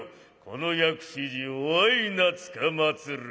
この薬師寺お合いなつかまつる。